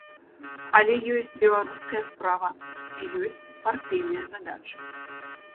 Але ёсць беларуская справа, і ёсць партыйныя задачы.